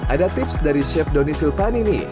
ada tips dari chef doni silpanini